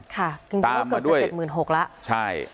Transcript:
ค่ะตามมาด้วยเกิดจะเจ็ดหมื่นหกละใช่